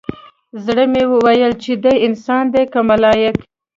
زړه مې ويل چې دى انسان دى که ملايک.